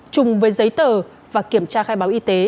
chung với giấy tờ và kiểm tra khai báo y tế